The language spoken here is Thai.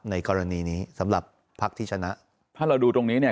ในกรณีนี้สำหรับพักที่ชนะถ้าเราดูตรงนี้เนี่ย